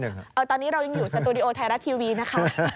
ตอนนี้เรายังอยู่สตูดิโอไทยรัฐทีวีนะคะ